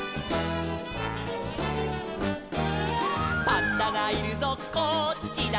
「パンダがいるぞこっちだ」